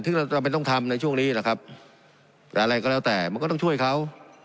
ที่เราต้องทำในช่วงนี้นะครับแต่อะไรก็แล้วแต่มันก็ต้องช่วยเขา